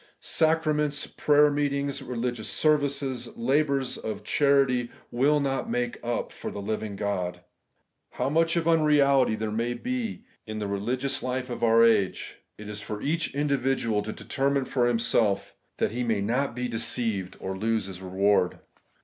Sacra ments, prayer meetings, religious services, labours of charity, wiU not make up for the living God. How much of unreality there may be in the re ligious life of our age, it is for each individual to determine for himself, that he may not be deceived nor lose his reward.